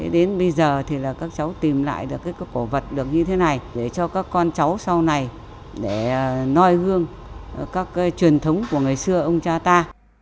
đến bây giờ các cháu tìm lại được các cổ vật như thế này để cho các con cháu sau này để noi gương các truyền thống của ngày xưa ông cha ta